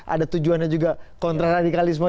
ada tujuannya juga kontra radikalisme